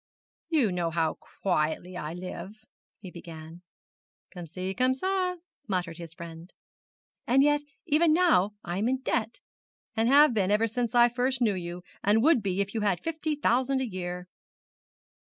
'You know how quietly I live,' he began. 'Comme çi, comme ça,' muttered his friend. 'And yet even now I am in debt.' 'And have been ever since I first knew you, and would be if you had fifty thousand a year!'